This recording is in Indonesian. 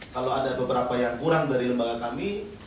kalau ada beberapa yang kurang dari lembaga kami